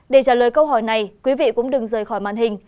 để trả lời câu hỏi này quý vị cũng đừng rời khỏi màn hình